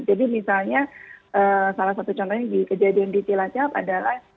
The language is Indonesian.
jadi misalnya salah satu contohnya di kejadian di cilacap adalah